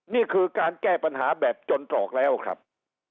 นี่คือการแก้ปัญหาแบบจนตรอกแล้วครับ